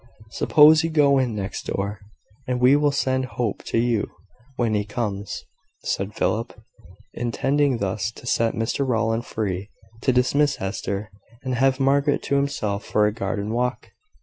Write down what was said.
"Suppose you go in next door, and we will send Hope to you when he comes," said Philip, intending thus to set Mr Rowland free, to dismiss Hester, and have Margaret to himself for a garden walk.